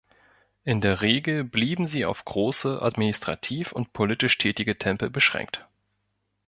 In der Regel blieben sie auf große, administrativ und politisch tätige Tempel beschränkt.